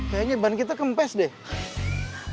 kayaknya ban kita kempes deh